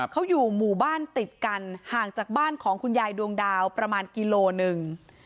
เขาอยู่หมู่บ้านติดกันห่างจากบ้านของคุณยายดวงดาวประมาณกิโลหนึ่ง